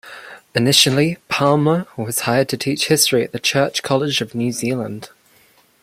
Initially Palmer was hired to teach history at the Church College of New Zealand.